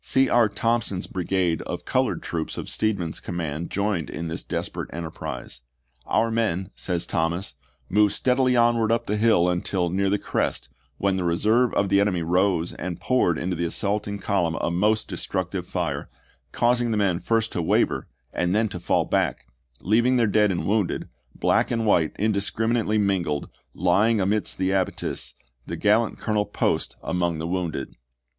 C. B. Thompson's brigade of colored troops of Steedman's command joined in this desperate enterprise. "Our men," says Thomas, " moved steadily onward up the hill until near the crest, when the reserve of the enemy rose and poured into the assaulting column a most destructive fire, causing the men first to waver and then to fall back, leaving their dead and wounded, black and white indiscriminately mingled, lying amidst the abatis, the gallant Colonel Post among the wounded."